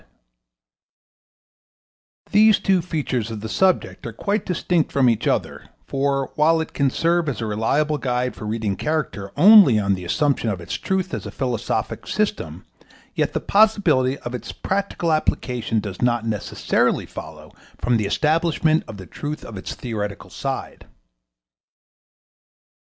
] These two features of the subject are quite distinct from each other, for, while it can serve as a reliable guide for reading character only on the assumption of its truth as a philosophic system, yet the possibility of its practical application does not necessarily follow from the establishment of the truth of its theoretical side.